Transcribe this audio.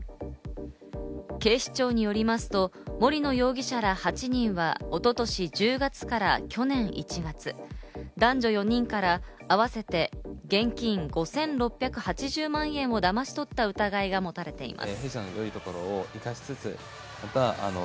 警視庁によりますと、森野容疑者ら８人は一昨年１０月から去年１月、男女４人からあわせて現金５６８０万円をだまし取った疑いが持たれています。